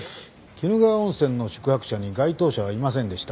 鬼怒川温泉の宿泊者に該当者はいませんでした。